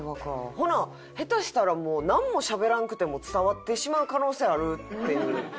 ほな下手したらもうなんもしゃべらんくても伝わってしまう可能性あるっていう。